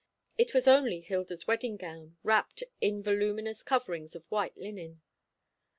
It was only Hilda's wedding gown, wrapped in voluminous coverings of white linen.